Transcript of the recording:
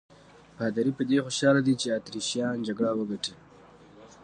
پادري په دې خوشاله دی چې اتریشیان جګړه وګټي.